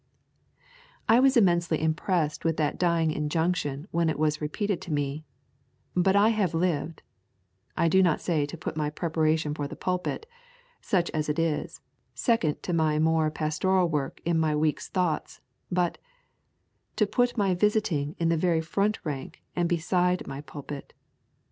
I was immensely impressed with that dying injunction when it was repeated to me, but I have lived, I do not say to put my preparation for the pulpit, such as it is, second to my more pastoral work in my week's thoughts, but to put my visiting in the very front rank and beside my pulpit.